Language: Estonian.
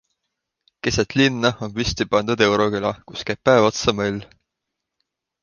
Keset linna on püsti pandud euroküla, kus käib päev otsa möll.